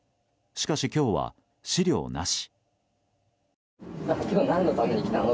しかし、今日は資料なし。